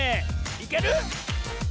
いける？